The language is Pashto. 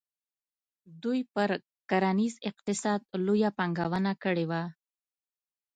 دوی پر کرنیز اقتصاد لویه پانګونه کړې وه.